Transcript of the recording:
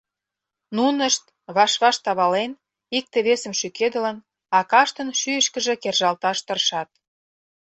Нунышт, ваш-ваш тавален, икте-весым шӱкедылын, акаштын шӱйышкыжӧ кержалташ тыршат.